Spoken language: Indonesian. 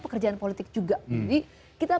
pekerjaan politik juga jadi kita